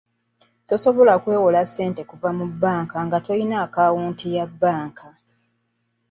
Tosobola kwewola ssente okuva mu bbanka nga tolina akaawunti ya bbanka.